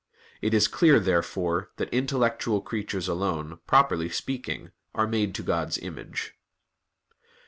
It is clear, therefore, that intellectual creatures alone, properly speaking, are made to God's image.